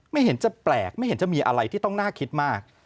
ไม่เห็นจะแปลกไม่เห็นจะมีอะไรที่ต้องน่าคิดมาก